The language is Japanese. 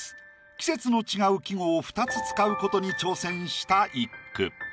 季節の違う季語を二つ使う事に挑戦した一句。